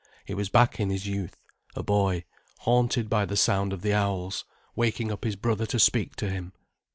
He was back in his youth, a boy, haunted by the sound of the owls, waking up his brother to speak to him.